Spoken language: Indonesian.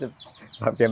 sepi pembelinya ya pak